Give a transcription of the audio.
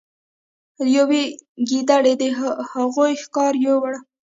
یوې ګیدړې د هغوی ښکار یووړ.